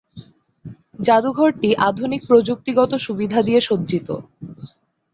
জাদুঘরটি আধুনিক প্রযুক্তিগত সুবিধা দিয়ে সজ্জিত।